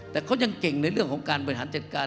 แต่เขายังเก่งในเรื่องของการบริหารจัดการ